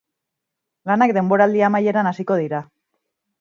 Lanak denboraldi amaieran hasiko dira.